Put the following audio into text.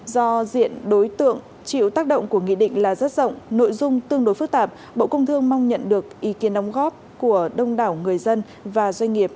do diện đối tượng chịu tác động của nghị định là rất rộng nội dung tương đối phức tạp bộ công thương mong nhận được ý kiến đóng góp của đông đảo người dân và doanh nghiệp